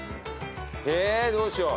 えどうしよう。